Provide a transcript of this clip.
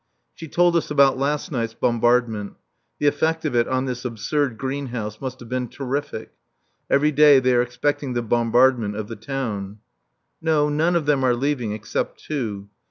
She told us about last night's bombardment. The effect of it on this absurd greenhouse must have been terrific. Every day they are expecting the bombardment of the town. No, none of them are leaving except two.